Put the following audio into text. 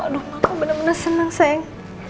aduh mama bener bener seneng sayang